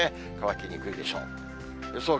乾きにくいでしょう。